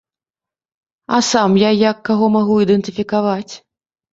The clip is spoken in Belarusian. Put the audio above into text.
А сам я як каго магу ідэнтыфікаваць?